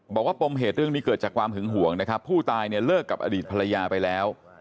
ปมเหตุเรื่องนี้เกิดจากความหึงห่วงนะครับผู้ตายเนี่ยเลิกกับอดีตภรรยาไปแล้ว